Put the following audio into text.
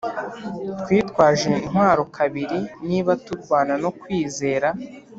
twitwaje intwaro kabiri niba turwana no kwizera.